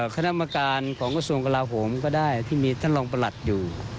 คณะกรรมการของกระทรวงกลาโหมก็ได้ที่มีท่านรองประหลัดอยู่